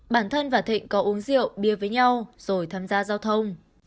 bản thân và thịnh có uống rượu bia với nhau rồi tham gia giao thông